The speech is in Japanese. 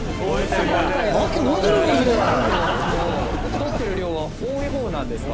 とってる量は多い方なんですか？